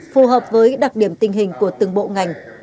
phù hợp với đặc điểm tình hình của từng bộ ngành